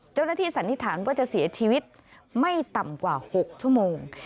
เจ้าหน้าที่สันนิษฐานว่าจะเสียชีวิตไม่ต่ำกว่า๖ชั่วโมง